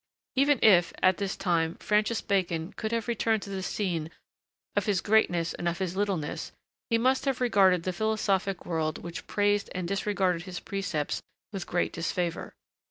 Even if, at this time, Francis Bacon could have returned to the scene of his greatness and of his littleness, he must have regarded the philosophic world which praised and disregarded his precepts with great disfavor.